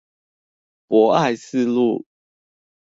博愛四路